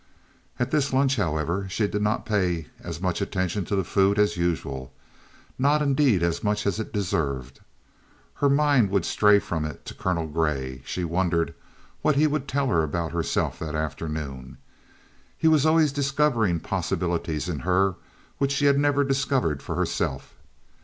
At this lunch, however, she did not pay as much attention to the food as usual, not indeed as much as it deserved. Her mind would stray from it to Colonel Grey. She wondered what he would tell her about herself that afternoon. He was always discovering possibilities in her which she had never discovered for herself.